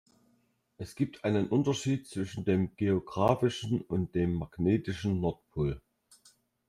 Es gibt einen Unterschied zwischen dem geografischen und dem magnetischen Nordpol.